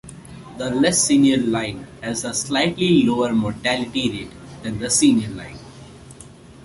The less senior line has a slightly lower mortality rate than the senior line.